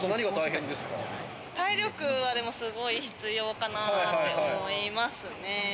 体力は、すごい必要かなって思います。